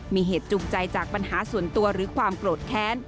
มีเหตุจูงใจจากปัญหาส่วนตัวหรือความโกรธแค้น